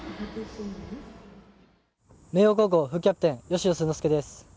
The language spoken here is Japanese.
明桜高校副キャプテンの吉野鈴之助です。